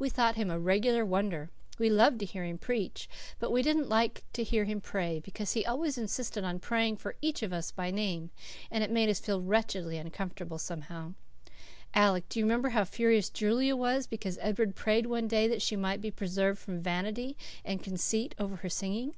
We thought him a regular wonder. We loved to hear him preach, but we didn't like to hear him pray, because he always insisted on praying for each of us by name, and it made us feel wretchedly uncomfortable, somehow. Alec, do you remember how furious Julia was because Edward prayed one day that she might be preserved from vanity and conceit over her singing?"